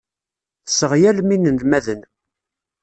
Tesseɣyalem inelmaden.